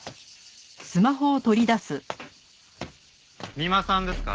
三馬さんですか？